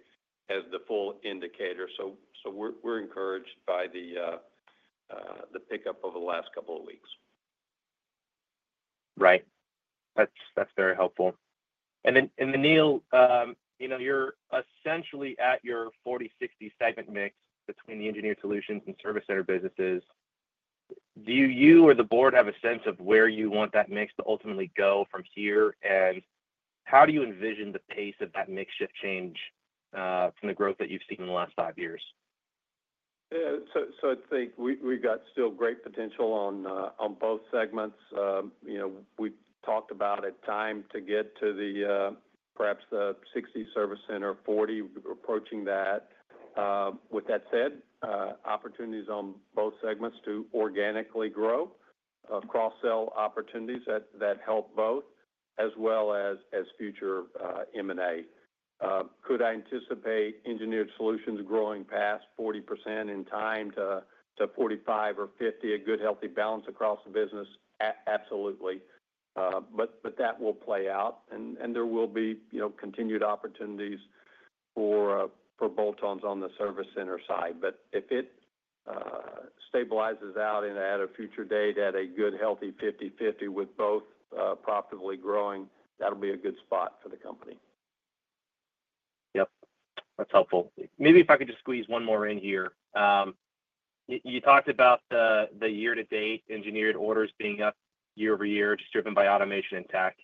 as the full indicator. So we're encouraged by the pickup of the last couple of weeks. Right. That's very helpful. And then, Neil, you're essentially at your 40/60 segment mix between the Engineered Solutions and Service Center businesses. Do you or the board have a sense of where you want that mix to ultimately go from here? And how do you envision the pace of that mix shift change from the growth that you've seen in the last five years? So I think we've got still great potential on both segments. We talked about a time to get to perhaps the 60% Service Center, 40% approaching that. With that said, opportunities on both segments to organically grow, cross-sell opportunities that help both, as well as future M&A. Could I anticipate Engineered Solutions growing past 40% in time to 45% or 50%, a good healthy balance across the business? Absolutely. But that will play out. And there will be continued opportunities for bolt-ons on the service center side. But if it stabilizes out at a future date at a good healthy 50/50 with both profitably growing, that'll be a good spot for the company. Yep. That's helpful. Maybe if I could just squeeze one more in here. You talked about the year-to-date engineered orders being up year-over-year, just driven by automation and tech.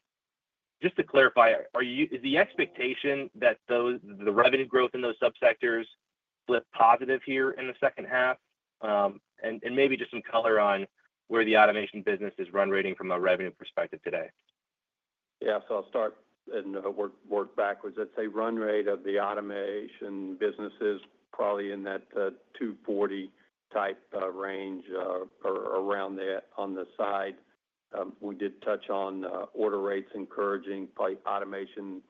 Just to clarify, is the expectation that the revenue growth in those subsectors flip positive here in the second half? And maybe just some color on where the automation business is run rate from a revenue perspective today. Yeah. So I'll start and work backwards. I'd say run rate of the automation business is probably in that 240 type range or around there on the side. We did touch on order rates encouraging probably automation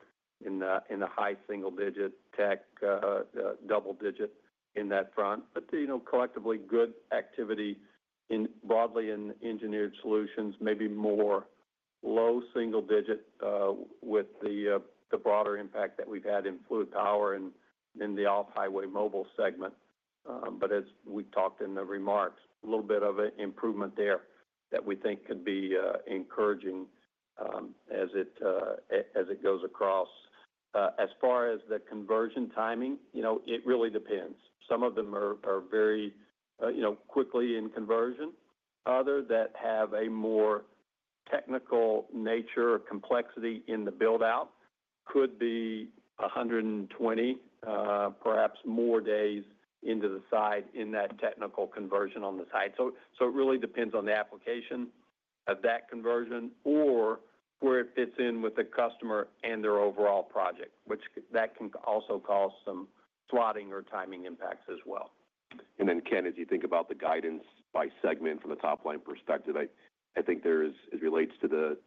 in the high single digit, tech double digit in that front, but collectively, good activity broadly in engineered solutions, maybe more low single digit with the broader impact that we've had in fluid power and in the off-highway mobile segment, but as we talked in the remarks, a little bit of an improvement there that we think could be encouraging as it goes across. As far as the conversion timing, it really depends. Some of them are very quickly in conversion. Others that have a more technical nature or complexity in the build-out could be 120, perhaps more days into the side in that technical conversion on the side. It really depends on the application of that conversion or where it fits in with the customer and their overall project, which that can also cause some slotting or timing impacts as well. And then, Ken, as you think about the guidance by segment from a top-line perspective, I think there is, as it relates to the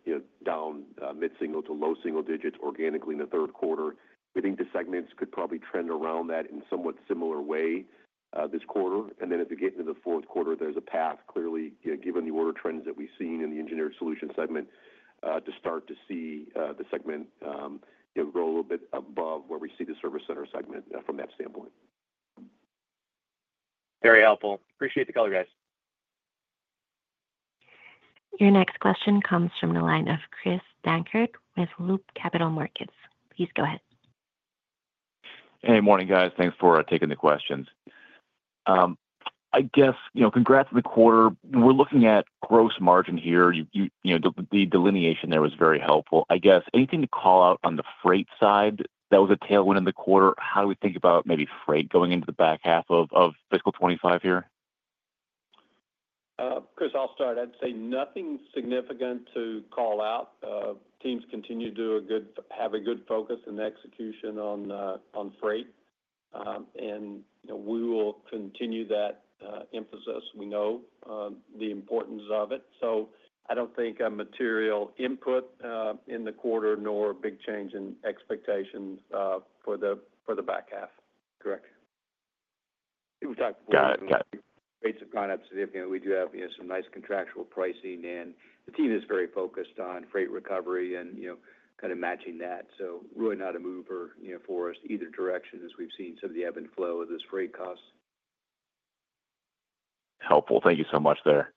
down mid-single to low single digit organically in the third quarter, we think the segments could probably trend around that in a somewhat similar way this quarter. And then as we get into the fourth quarter, there's a path clearly, given the order trends that we've seen in the Engineered Solutions segment, to start to see the segment grow a little bit above where we see the Service Center segment from that standpoint. Very helpful. Appreciate the call, guys. Your next question comes from the line of Chris Dankert with Loop Capital Markets. Please go ahead. Hey. Morning, guys. Thanks for taking the questions. I guess congrats on the quarter. We're looking at gross margin here. The delineation there was very helpful. I guess anything to call out on the freight side that was a tailwind in the quarter? How do we think about maybe freight going into the back half of fiscal 2025 here? Chris, I'll start. I'd say nothing significant to call out. Teams continue to have a good focus and execution on freight. And we will continue that emphasis. We know the importance of it. So I don't think a material input in the quarter nor a big change in expectations for the back half. Correct. We've talked about. Got it. Got it. Rates have gone up significantly. We do have some nice contractual pricing, and the team is very focused on freight recovery and kind of matching that. So really not a mover for us either direction as we've seen some of the ebb and flow of this freight cost. Helpful. Thank you so much there.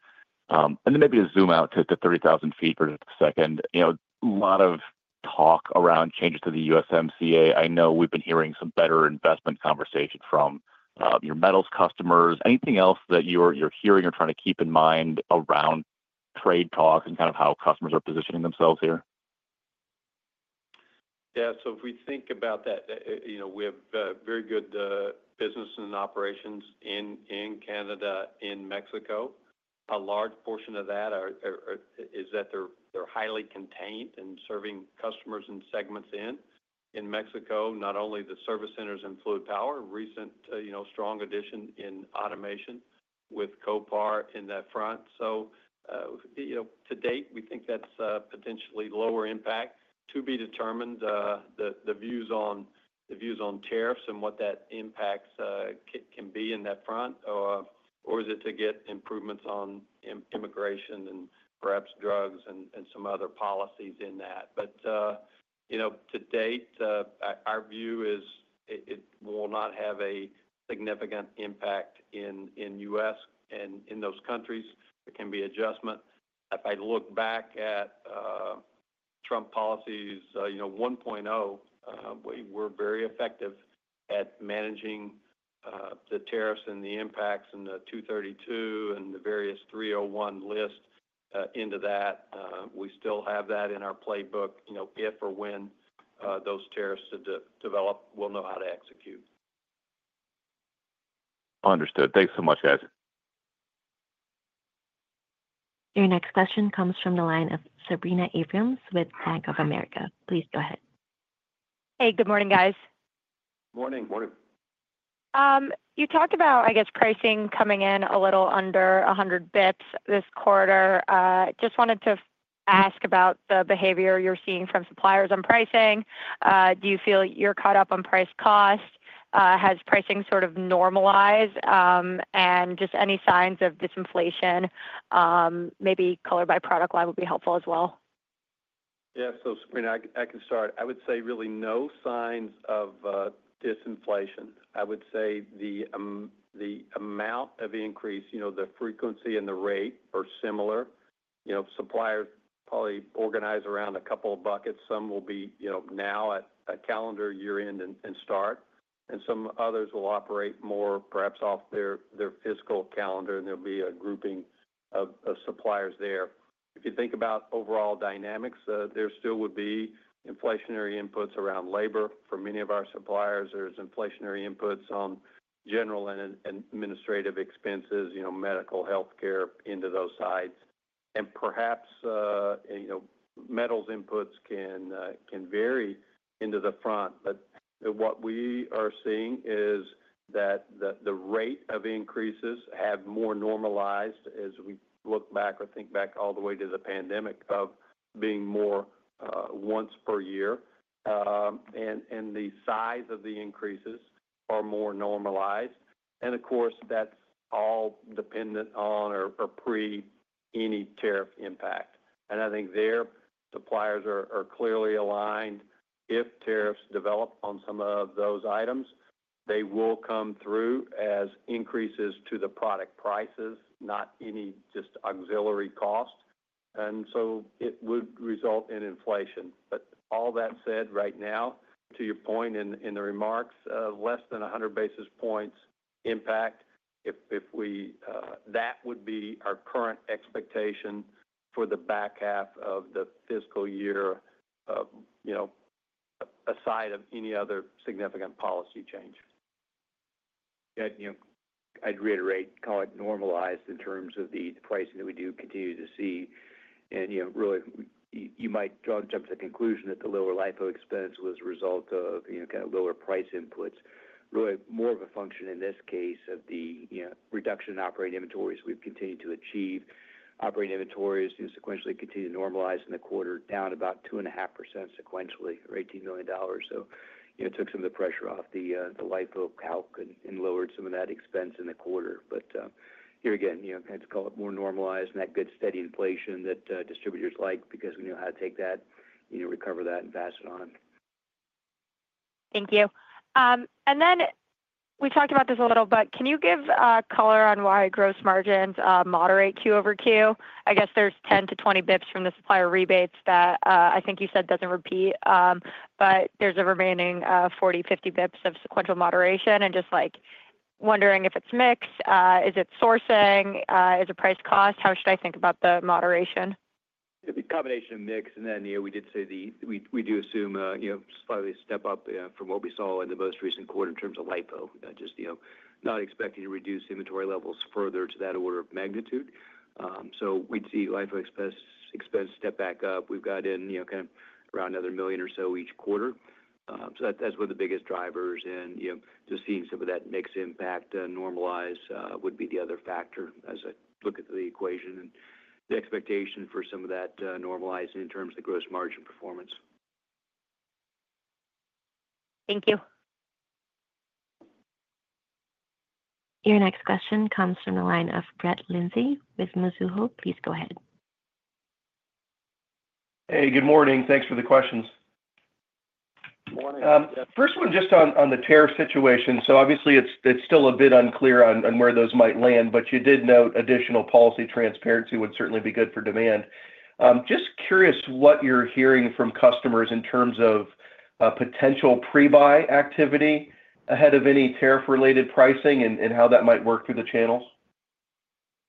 And then maybe to zoom out to 30,000 feet for a second, a lot of talk around changes to the USMCA. I know we've been hearing some better investment conversation from your metals customers. Anything else that you're hearing or trying to keep in mind around trade talks and kind of how customers are positioning themselves here? Yeah. So if we think about that, we have very good business and operations in Canada, in Mexico. A large portion of that is that they're highly contained and serving customers and segments in. In Mexico, not only the service centers and fluid power, recent strong addition in automation with Kopar in that front. So to date, we think that's potentially lower impact. To be determined, the views on tariffs and what that impacts can be in that front, or is it to get improvements on immigration and perhaps drugs and some other policies in that? But to date, our view is it will not have a significant impact in the U.S. and in those countries. There can be adjustment. If I look back at Trump policies 1.0, we were very effective at managing the tariffs and the impacts and the 232 and the various 301 list into that. We still have that in our playbook. If or when those tariffs develop, we'll know how to execute. Understood. Thanks so much, guys. Your next question comes from the line of Sabrina Abrams with Bank of America. Please go ahead. Hey. Good morning, guys. Morning. Morning. You talked about, I guess, pricing coming in a little under 100 basis points this quarter. Just wanted to ask about the behavior you're seeing from suppliers on pricing. Do you feel you're caught up on price cost? Has pricing sort of normalized? And just any signs of disinflation? Maybe color by product line would be helpful as well. Yeah. So Sabrina, I can start. I would say really no signs of disinflation. I would say the amount of increase, the frequency and the rate are similar. Suppliers probably organize around a couple of buckets. Some will be now at calendar year-end and start. And some others will operate more perhaps off their fiscal calendar, and there'll be a grouping of suppliers there. If you think about overall dynamics, there still would be inflationary inputs around labor for many of our suppliers. There's inflationary inputs on general and administrative expenses, medical, healthcare into those sides, and perhaps metals inputs can vary into the front, but what we are seeing is that the rate of increases have more normalized as we look back or think back all the way to the pandemic of being more once per year, and the size of the increases are more normalized, and of course, that's all dependent on or pre any tariff impact, and I think their suppliers are clearly aligned. If tariffs develop on some of those items, they will come through as increases to the product prices, not any just auxiliary cost, and so it would result in inflation. But all that said, right now, to your point in the remarks, less than 100 basis points impact, that would be our current expectation for the back half of the fiscal year aside of any other significant policy change. Yeah. I'd reiterate, call it normalized in terms of the pricing that we do continue to see. And really, you might jump to the conclusion that the lower LIFO expense was a result of kind of lower price inputs. Really, more of a function in this case of the reduction in operating inventories we've continued to achieve. Operating inventories sequentially continue to normalize in the quarter, down about 2.5% sequentially or $18 million. So it took some of the pressure off the LIFO calc and lowered some of that expense in the quarter. But here again, I'd call it more normalized and that good steady inflation that distributors like because we know how to take that, recover that, and pass it on. Thank you. And then we talked about this a little, but can you give color on why gross margins moderate Q over Q? I guess there's 10-20 basis points from the supplier rebates that I think you said doesn't repeat. But there's a remaining 40-50 basis points of sequential moderation. And just wondering if it's mixed, is it sourcing, is it price cost, how should I think about the moderation? It'd be a combination of mixed. And then we did say we do assume a slightly step up from what we saw in the most recent quarter in terms of LIFO. Just not expecting to reduce inventory levels further to that order of magnitude. So we'd see LIFO expense step back up. We've got in kind of around another $1 million or so each quarter. So that's one of the biggest drivers. And just seeing some of that mixed impact normalize would be the other factor as I look at the equation and the expectation for some of that normalizing in terms of the gross margin performance. Thank you. Your next question comes from the line of Brett Linzey with Mizuho. Please go ahead. Hey. Good morning. Thanks for the questions. Morning. First one, just on the tariff situation. So obviously, it's still a bit unclear on where those might land. But you did note additional policy transparency would certainly be good for demand. Just curious what you're hearing from customers in terms of potential pre-buy activity ahead of any tariff-related pricing and how that might work through the channels.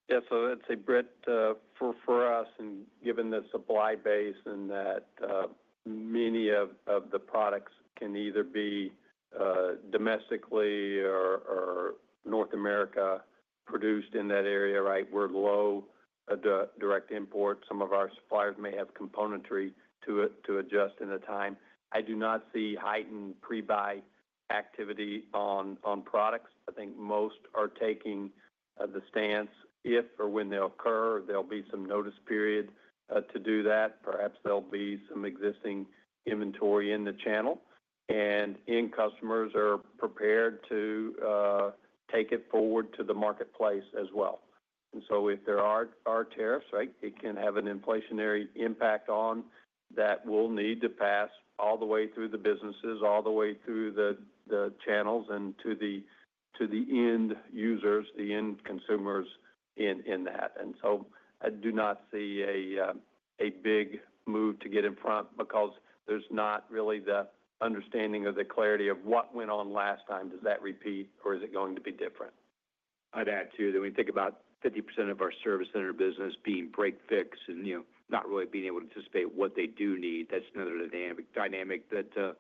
Yeah. So I'd say, Brett, for us, and given the supply base and that many of the products can either be domestically or North America produced in that area, right, we're low direct import. Some of our suppliers may have componentry to adjust in the time. I do not see heightened pre-buy activity on products. I think most are taking the stance if or when they'll occur, there'll be some notice period to do that. Perhaps there'll be some existing inventory in the channel. And customers are prepared to take it forward to the marketplace as well. And so if there are tariffs, right, it can have an inflationary impact on that will need to pass all the way through the businesses, all the way through the channels, and to the end users, the end consumers in that. And so I do not see a big move to get in front because there's not really the understanding or the clarity of what went on last time. Does that repeat or is it going to be different? I'd add too that when you think about 50% of our service center business being break-fix and not really being able to anticipate what they do need, that's another dynamic that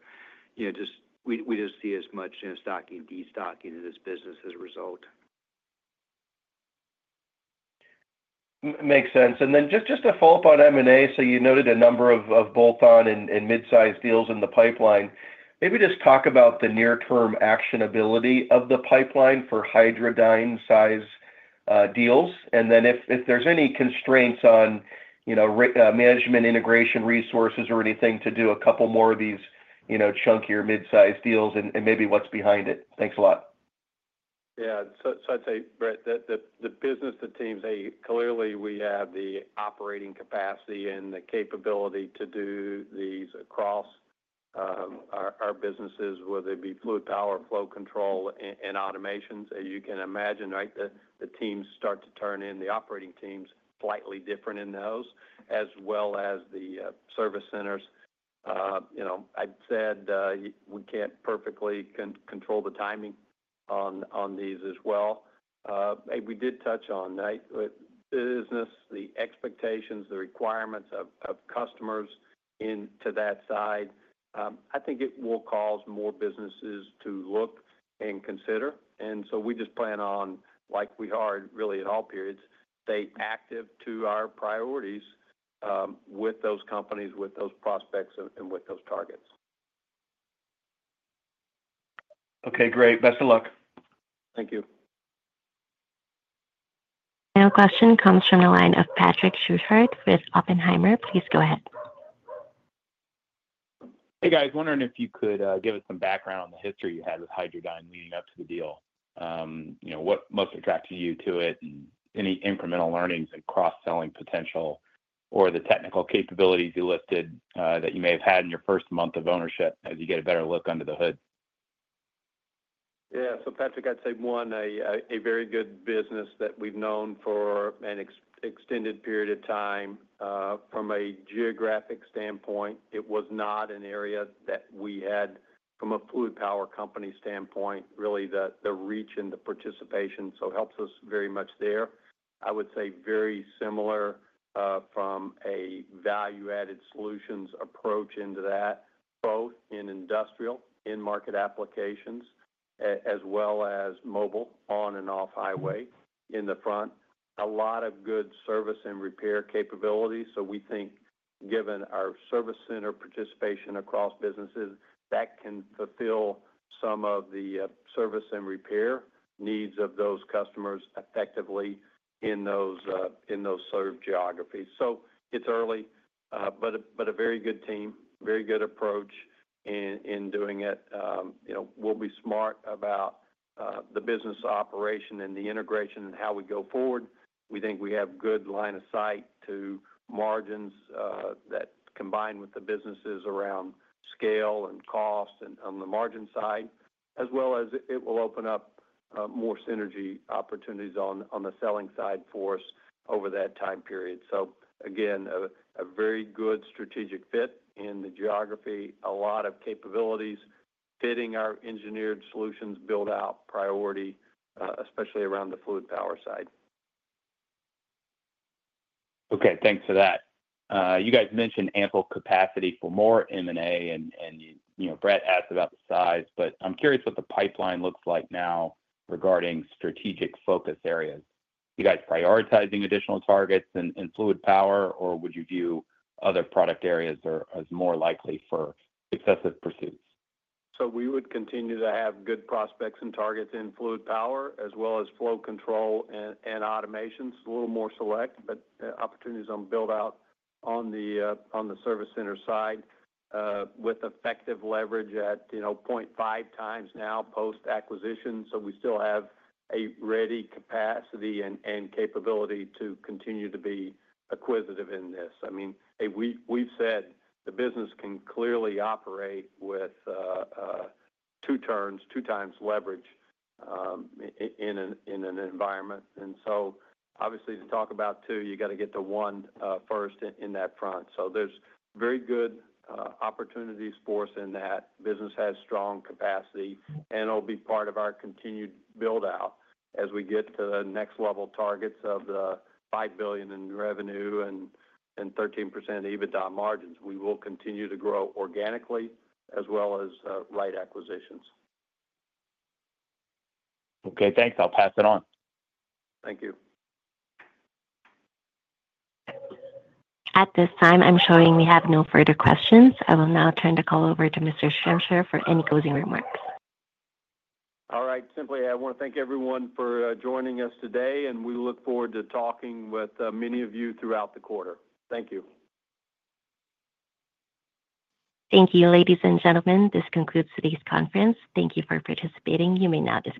we just see as much in stocking and destocking in this business as a result. Makes sense. And then just to follow up on M&A, so you noted a number of bolt-on and mid-size deals in the pipeline. Maybe just talk about the near-term actionability of the pipeline for Hydradyne-size deals. And then if there's any constraints on management integration resources or anything to do a couple more of these chunkier mid-size deals and maybe what's behind it. Thanks a lot. Yeah. So I'd say, Brett, the business, the teams, clearly we have the operating capacity and the capability to do these across our businesses, whether it be fluid power, flow control, and automations. As you can imagine, right, the teams start to turn in the operating teams slightly different in those, as well as the service centers. I'd said we can't perfectly control the timing on these as well. We did touch on business, the expectations, the requirements of customers into that side. I think it will cause more businesses to look and consider. And so we just plan on, like we are really at all periods, stay active to our priorities with those companies, with those prospects, and with those targets. Okay. Great. Best of luck. Thank you. Now a question comes from the line of Patrick Schumann with Oppenheimer. Please go ahead. Hey, guys. Wondering if you could give us some background on the history you had with Hydradyne leading up to the deal. What most attracted you to it and any incremental learnings and cross-selling potential or the technical capabilities you listed that you may have had in your first month of ownership as you get a better look under the hood? Yeah. So Patrick, I'd say one, a very good business that we've known for an extended period of time. From a geographic standpoint, it was not an area that we had from a fluid power company standpoint, really the reach and the participation. So helps us very much there. I would say very similar from a value-added solutions approach into that, both in industrial, in-market applications, as well as mobile, on and off-highway in the front. A lot of good service and repair capability. So we think given our service center participation across businesses, that can fulfill some of the service and repair needs of those customers effectively in those served geographies. So it's early, but a very good team, very good approach in doing it. We'll be smart about the business operation and the integration and how we go forward. We think we have good line of sight to margins that combine with the businesses around scale and cost and on the margin side, as well as it will open up more synergy opportunities on the selling side for us over that time period. So again, a very good strategic fit in the geography, a lot of capabilities, fitting our engineered solutions build-out priority, especially around the fluid power side. Okay. Thanks for that. You guys mentioned ample capacity for more M&A, and Brett asked about the size. But I'm curious what the pipeline looks like now regarding strategic focus areas. You guys prioritizing additional targets in fluid power, or would you view other product areas as more likely for aggressive pursuits? So we would continue to have good prospects and targets in fluid power, as well as flow control and automation. A little more select, but opportunities on build-out on the service center side with effective leverage at 0.5 times now post-acquisition. So we still have a ready capacity and capability to continue to be acquisitive in this. I mean, we've said the business can clearly operate with two turns, two times leverage in an environment. And so obviously to talk about two, you got to get the one first in that front. So there's very good opportunities for us in that. Business has strong capacity, and it'll be part of our continued build-out as we get to the next level targets of the $5 billion in revenue and 13% EBITDA margins. We will continue to grow organically as well as via acquisitions. Okay. Thanks. I'll pass it on. Thank you. At this time, I'm showing we have no further questions. I will now turn the call over to Mr. Schumann for any closing remarks. All right. Simply, I want to thank everyone for joining us today, and we look forward to talking with many of you throughout the quarter. Thank you. Thank you, ladies and gentlemen. This concludes today's conference. Thank you for participating. You may now.